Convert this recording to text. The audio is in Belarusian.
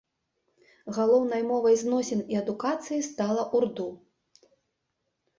Галоўнай мовай зносін і адукацыі стала ўрду.